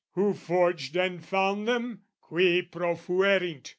"Who forged and found them? Cui profuerint!"